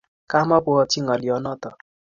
Kamo pwotchini ngoliot notok